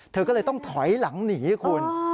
เธอก็เลยต้องถอยหลังหนีคุณ